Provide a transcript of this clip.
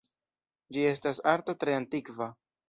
Ĝi estas arto tre antikva.